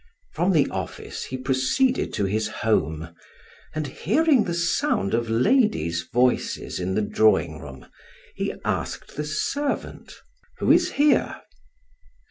From the office he proceeded to his home, and hearing the sound of ladies' voices in the drawing room, he asked the servant: "Who is here?"